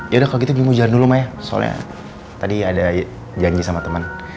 yaudah kalo gitu bimo jalan dulu mah ya soalnya tadi ada janji sama temen